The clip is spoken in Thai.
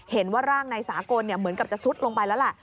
เห็นว่าร่างนายสากลเหมือนกับจะซุดลงไปแล้วแหละ